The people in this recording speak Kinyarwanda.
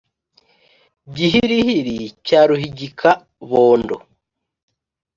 Gihirihiri cya ruhingika-bondo,